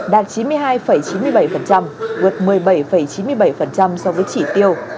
đạt chín mươi hai chín mươi bảy vượt một mươi bảy chín mươi bảy so với chỉ tiêu